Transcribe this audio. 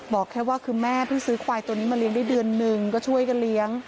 บอกแค่ว่าคือแม่เพิ่งซื้อควายตัวนี้มาเลี้ยงได้เดือนหนึ่งก็ช่วยกันเลี้ยง